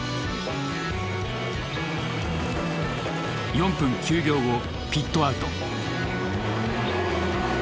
４分９秒後ピットアウト。